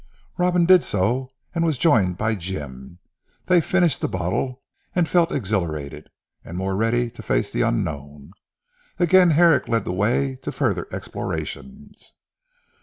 Robin did so, and was joined by Jim. They finished the bottle, and felt exhilarated, and more ready to face the unknown. Again Herrick led the way to further explorations.